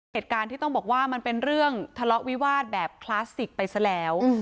เหตุการณ์ที่ต้องบอกว่ามันเป็นเรื่องทะเลาะวิวาสแบบคลาสสิกไปซะแล้ว